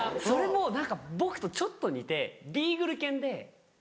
それも僕とちょっと似てビーグル犬で。